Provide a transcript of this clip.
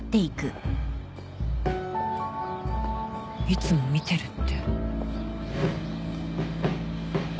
「いつも見てる」って？